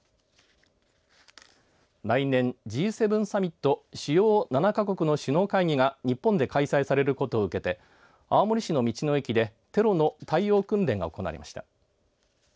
来年、Ｇ７サミット主要７か国の首脳会議が日本で開催されることを受けて青森市の道の駅でテロの対応訓練が行われました。